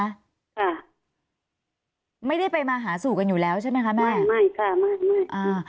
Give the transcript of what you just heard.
ค่ะไม่ได้ไปมาหาสู่กันอยู่แล้วใช่ไหมคะแม่ไม่ค่ะไม่ไม่อ่า